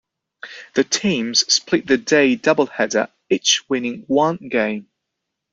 The teams split the day-doubleheader, each winning one game.